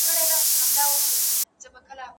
لوستې مور د اوبو زېرمه پاکه ساتي.